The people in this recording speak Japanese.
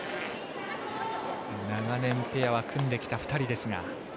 長年ペアは組んできた２人ですが。